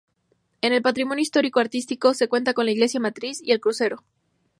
En el patrimonio histórico-artístico se cuenta con la iglesia matriz y el crucero.